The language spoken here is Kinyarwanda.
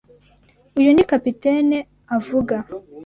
Uyu ni capitaine avuga.